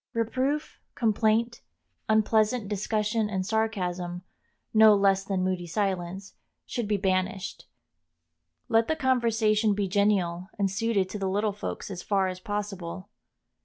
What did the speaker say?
Reproof, complaint, unpleasant discussion, and sarcasm, no less than moody silence, should be banished. Let the conversation be genial and suited to the little folks as far as possible.